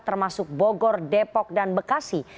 termasuk bogor depok dan bekasi